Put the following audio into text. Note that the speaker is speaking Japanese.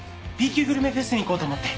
Ｂ級グルメフェスに行こうと思って。